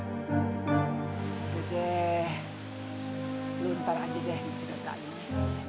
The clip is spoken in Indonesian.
lo ntar aja deh